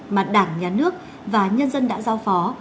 mà đảng nhà nước và nhân dân đã giao phó